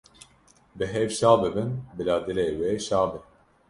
Bi hev şa bibin, bila dilê we şa be.